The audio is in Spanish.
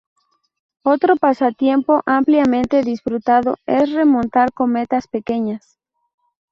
Otro pasatiempo ampliamente disfrutado es remontar cometas pequeñas.